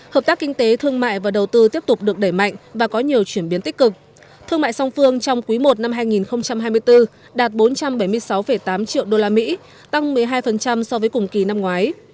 hợp tác kinh tế thương mại và đầu tư tiếp tục được đẩy mạnh và có nhiều chuyển biến tích cực thương mại song phương trong quý i năm hai nghìn hai mươi bốn đạt bốn trăm bảy mươi sáu tám triệu usd tăng một mươi hai so với cùng kỳ năm ngoái